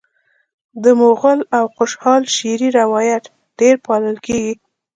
د مغل او خوشحال شعري روایت ډېر پالل کیږي